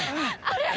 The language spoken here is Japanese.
あれ！